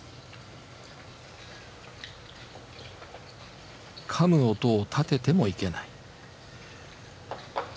かむ音をたててもいけない。